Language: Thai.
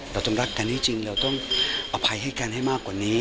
เราต้องรักกันจริงเราต้องอภัยให้กันให้มากกว่านี้